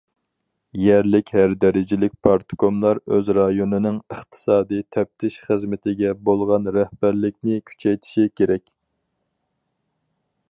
يەرلىك ھەر دەرىجىلىك پارتكوملار ئۆز رايونىنىڭ ئىقتىسادىي تەپتىش خىزمىتىگە بولغان رەھبەرلىكنى كۈچەيتىشى كېرەك.